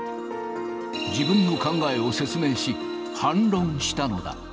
自分の考えを説明し、反論したのだ。